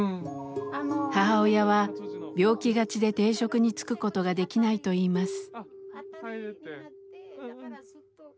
母親は病気がちで定職に就くことができないといいます。